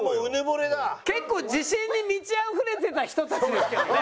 結構自信に満ちあふれてた人たちですけどね。